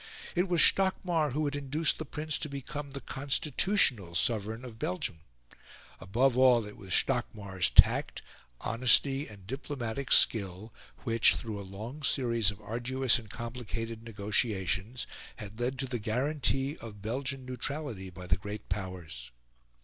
It was Stockmar who had induced the Prince to become the constitutional Sovereign of Belgium. Above all, it was Stockmar's tact, honesty, and diplomatic skill which, through a long series of arduous and complicated negotiations, had led to the guarantee of Belgian neutrality by the Great Powers.